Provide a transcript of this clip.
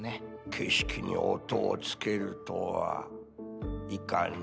景色に音をつけるとはいかに。